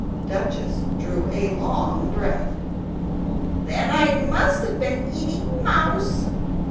Duchess drew a long breath "Then I must have been eating MOUSE!